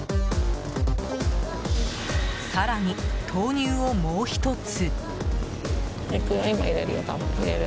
更に豆乳を、もう１つ。